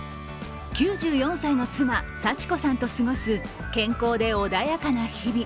９４歳の妻・幸子さんと過ごす健康で穏やかな日々。